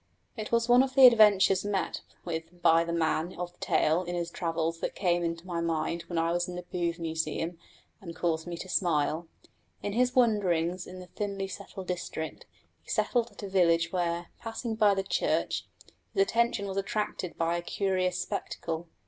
It was one of the adventures met with by the man of the tale in his travels that came into my mind when I was in the Booth Museum, and caused me to smile. In his wanderings in a thinly settled district, he arrived at a village where, passing by the church, his attention was attracted by a curious spectacle.